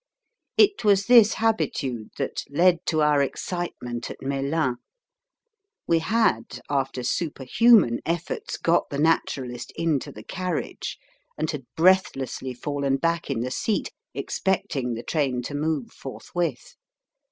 It was this habitude that led to our excitement at Melun. We had, after superhuman efforts, got the Naturalist into the carriage, and had breathlessly fallen back in the seat, expecting the train to move forthwith.